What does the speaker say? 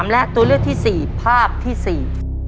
และตัวเลือกที่๔ภาพที่๔